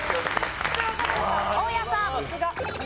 大家さん。